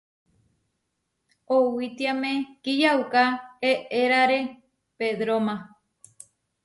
Owítiame kiyauká eʼeráre Pedróma.